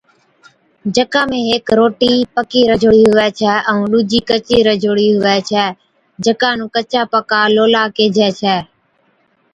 جڪا ۾ ھيڪ روٽِي پڪِي رجھوڙِي هُوَي ڇَي ائُون ڏُوجِي ڪچِي رجھوڙِي ھُوَي ڇَي جڪا نُون ڪچا پڪا لولا ڪيهجَي ڇَي